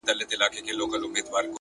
پوهه د ناپوهۍ کړکۍ تړي!